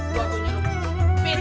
gua tuh nyuruh